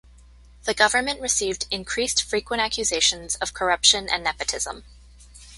The government received increased frequent accusations of corruption and nepotism.